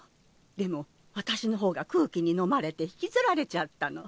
でも私の方が空気にのまれて引きずられちゃったの。